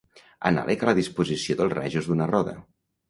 Anàleg a la disposició dels rajos d'una roda.